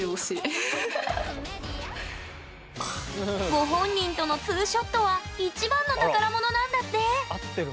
ご本人との２ショットは一番の宝物なんだって！